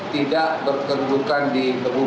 tidak berkedudukan di kebun